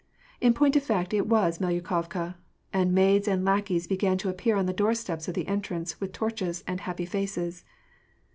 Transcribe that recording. In point of fact it was Melyukovka, and maids and lackeys began to appear on the doorsteps of the entrance, with torches, and happy faces.